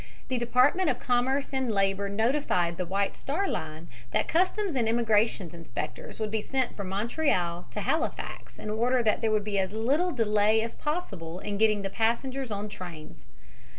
The Department of Commerce and Labor notified the White Star Line that customs and immigration inspectors would be sent from Montreal to Halifax in order that there would be as little delay as possible in getting the passengers on trains.